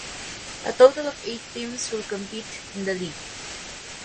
A total of eight teams will compete in the league.